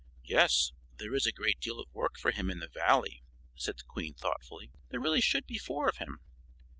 "Yes, there is a great deal of work for him in the Valley," said the Queen, thoughtfully; "there really should be four of him."